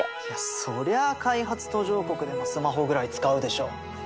いやそりゃあ開発途上国でもスマホぐらい使うでしょ。